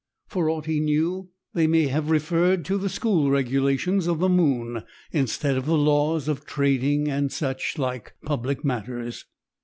For aught he knew they may have referred to the school regulations of the moon, instead of the laws of trading and such like public matters.